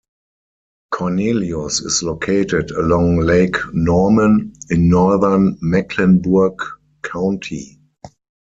Cornelius is located along Lake Norman in northern Mecklenburg County.